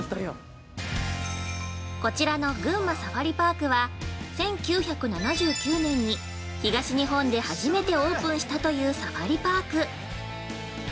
◆こちらの群馬サファリパークは、１９７９年に東日本で初めてオープンしたサファリパーク。